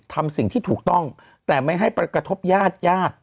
ทำสิ่งที่ถูกต้องแต่ไม่ให้กระทบญาติญาติ